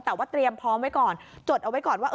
แต่ว่าเตรียมพร้อมไว้ก่อนจดเอาไว้ก่อนว่า